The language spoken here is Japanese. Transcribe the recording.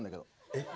えっ。